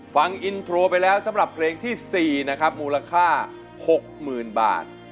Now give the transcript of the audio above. ฟังอินโทรไปแล้วสำหรับเพลงที่๔นะครับมูลค่า๖๐๐๐บาท